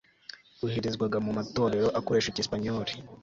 boherezwaga mu matorero akoresha icyesipanyoli